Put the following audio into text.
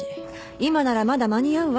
今ならまだ間に合うわ。